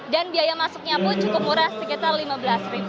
dan biaya masuknya pun cukup murah sekitar rp lima belas